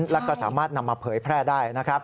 แล้วก็สามารถนำมาเผยแพร่ได้นะครับ